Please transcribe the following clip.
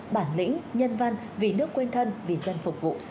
bản lĩnh nhân văn vì nước quên thân vì dân phục vụ